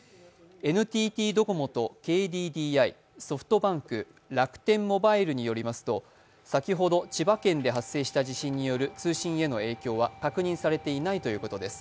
ＮＴＴドコモとＫＤＤＩ、ソフトバンク、楽天モバイルによりますと、先ほど千葉県で発生した地震による通信への影響は確認されていないということです。